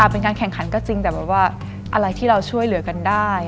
เป็นการแข่งขันก็จริงแต่แบบว่าอะไรที่เราช่วยเหลือกันได้